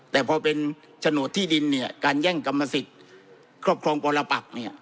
แต่พอเป็นโฉนดที่ดินเนี่ยการแย่งกรรมสิทธิ์ครอบครองปรปักเนี่ย